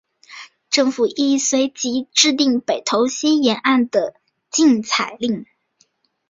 政府亦随即制定北投溪沿岸的禁采令。